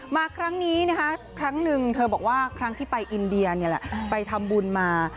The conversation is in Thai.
มาครั้งนี้นะคะครั้งหนึ่งเธอบอกว่าครั้งที่ไปอินเดียนี่แหละไปทำบุญมา